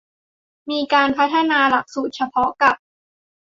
มีการพัฒนาหลักสูตรเฉพาะกับ